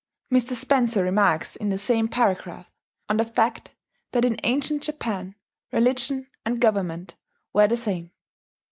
Mr. Spencer remarks in the same paragraph on the fact that in ancient Japan "religion and government were the same."